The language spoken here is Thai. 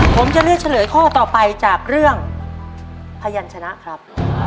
ผมจะเลือกเฉลยข้อต่อไปจากเรื่องพยันชนะครับ